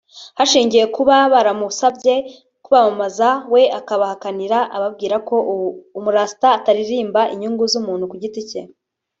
ashingiye ku kuba baramusabye kubamamaza we akabahakanira ababwira ko umu Rasta ataririmba inyungu z’umuntu ku giti cye